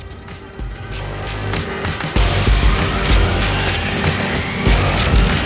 โปรดติดตามตอนต่อไป